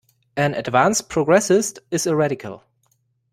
An advanced progressist is a radical.